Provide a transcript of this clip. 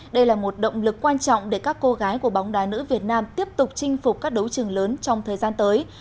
đây là một động lực quan trọng để các cô gái của bóng đá nữ việt nam tiếp tục chinh phục các đấu trường lớn trong thời gian tới